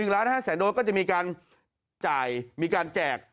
๑ล้าน๕แสนโดสก็จะมีการจ่ายมีการแจก